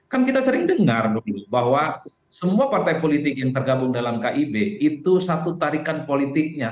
kan kita sering dengar dulu bahwa semua partai politik yang tergabung dalam kib itu satu tarikan politiknya